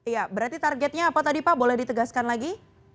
ya berarti targetnya apa tadi pak boleh ditegaskan lagi